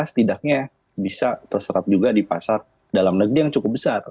setidaknya bisa terserap juga di pasar dalam negeri yang cukup besar